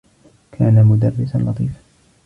كان مدرّسا لطيفا.